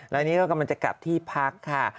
แล้วนี่ก็กำลังจะกลับที่พักค่ะ